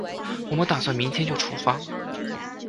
我们打算明天就出发